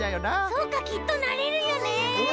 そうかきっとなれるよね！